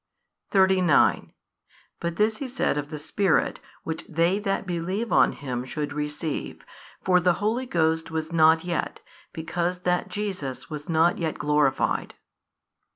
39 But this He said of the Spirit Which they that believe on Him should receive, for the Holy Ghost was not yet, because that Jesus was not yet glorified.